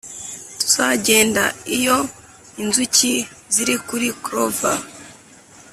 tuzagenda iyo inzuki ziri kuri clover,